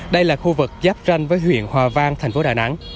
đây là khu vực giáp ranh với huyện hòa vang thành phố đà nẵng